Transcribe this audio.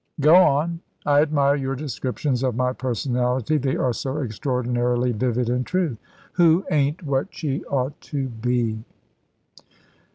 "Go on. I admire your descriptions of my personality. They are so extraordinarily vivid and true." "Who ain't what she ought to be."